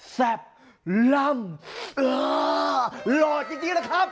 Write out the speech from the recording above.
แซ่บร่ำ